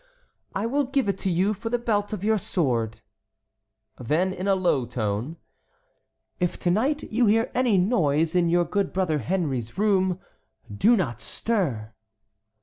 "I will give it to you for the belt of your sword." Then in a low tone: "If to night you hear any noise in your good brother Henry's room, do not stir."